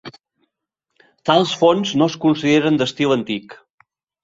Tals fonts no es consideren d'estil antic.